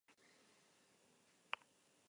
Azken orduetan hamar adineko sendatu dira.